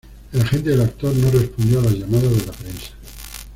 El agente del actor no respondió a las llamadas de la prensa.